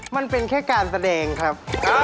มันเป็นแค่การแสดงครับ